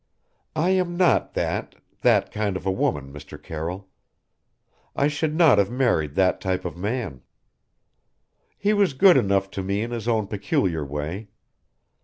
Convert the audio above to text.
I am not that that kind of a woman, Mr. Carroll. I should not have married that type of man. "He was good enough to me in his own peculiar way.